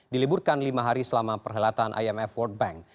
diliburkan lima hari selama perhelatan imf world bank